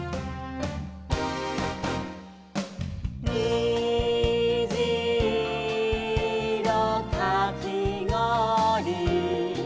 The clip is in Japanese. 「にじいろかきごおり」